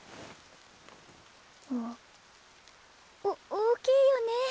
お大きいよね。